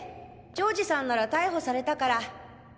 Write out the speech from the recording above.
丈治さんなら逮捕されたから。